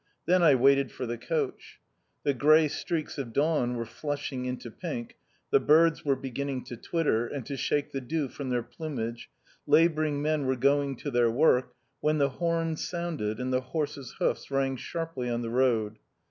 Then I waited for the coach. The grey streaks of dawn were flushing into pink, the birds were beginning to twitter, and to shake the dew from their plumage, labouring men were going to their work, when the horn sounded, and the horses' hoofs rang sharply on the road.